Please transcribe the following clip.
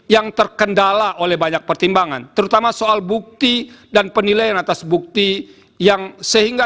yang terkendala oleh banyak pertimbangan terutama soal bukti dan penilaian atas bukti yang sehingga